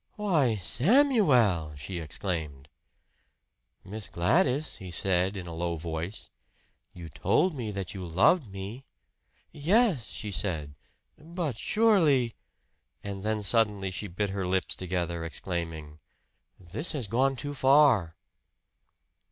"Why, Samuel!" she exclaimed. "Miss Gladys," he said in a low voice, "you told me that you loved me." "Yes," she said, "but surely " And then suddenly she bit her lips together exclaiming, "This has gone too far!"